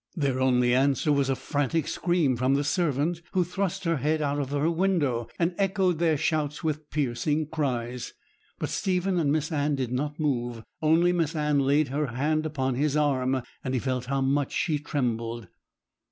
Their only answer was a frantic scream from the servant, who thrust her head out of her window, and echoed their shouts with piercing cries. But Stephen and Miss Anne did not move; only Miss Anne laid her hand upon his arm, and he felt how much she trembled.